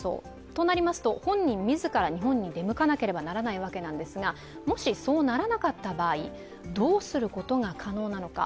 となりますと、本人自ら日本に出向かなければならないわけですがもしそうならなかった場合どうすることが可能なのか。